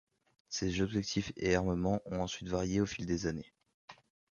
Ces effectifs et armements ont ensuite varié au fil des années.